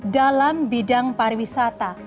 dalam bidang pariwisata